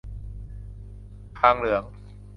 คางเหลือง